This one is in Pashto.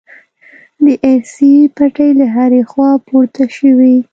د ارسي پټې له هرې خوا پورته شوې.